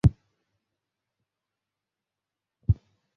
বাড়াবাড়ি কোরো না তুমি, এ-সব কাজ তোমাদের নয়।